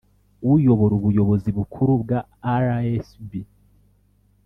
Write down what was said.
Uyobora ubuyobozi bukuru bwa rsb